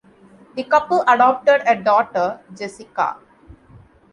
The couple adopted a daughter, Jessica.